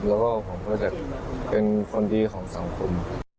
แล้วก็ผมก็จะเป็นคนดีของสังคม